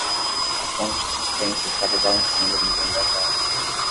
A ponte suspensa estava balançando no vendaval.